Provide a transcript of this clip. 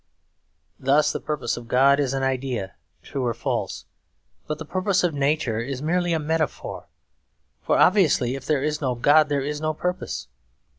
Thus the purpose of God is an idea, true or false; but the purpose of Nature is merely a metaphor; for obviously if there is no God there is no purpose.